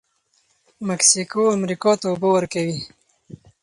مکسیکو امریکا ته اوبه ورکوي.